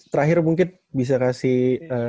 terakhir mungkin bisa kasih